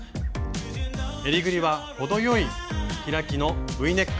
えりぐりは程よい開きのＶネック。